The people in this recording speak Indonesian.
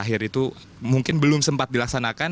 akhir itu mungkin belum sempat dilaksanakan